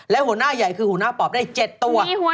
และหัวหน้าใหญ่คือหัวหน้าปอบได้๗ตัว